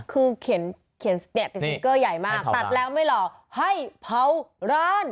คือเขียนเนี่ยติดซิงเกอร์ใหญ่มากตัดแล้วไม่หลอกให้เผาร้าน